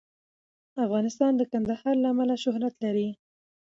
افغانستان د کندهار له امله شهرت لري.